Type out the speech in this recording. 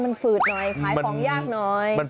มันฝืดหน่อยขายของง่าย